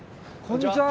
こんにちは。